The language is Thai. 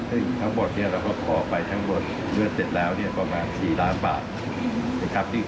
เราขอไปทั้งหมดทั้งหมดเนื้อเสร็จแล้วก็มา๔ล้านบาท